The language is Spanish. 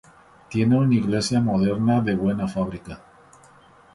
Tiene una iglesia moderna de buena fábrica.